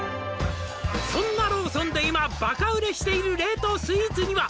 「そんなローソンで今バカ売れしている冷凍スイーツには」